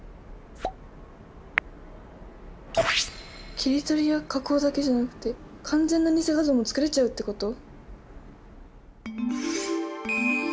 切り取りや加工だけじゃなくて完全な偽画像も作れちゃうってこと！？